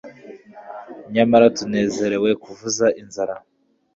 nyamara tunezerewe kuvuza inzara